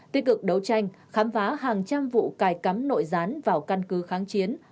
tích cực đấu tranh khám phá hàng trăm vụ cài cắm nội gián vào căn cứ kháng chiến